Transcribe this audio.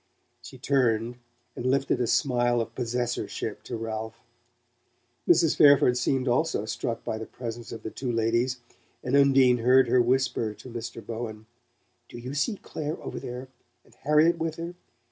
She turned and lifted a smile of possessorship to Ralph. Mrs. Fairford seemed also struck by the presence Of the two ladies, and Undine heard her whisper to Mr. Bowen: "Do you see Clare over there and Harriet with her?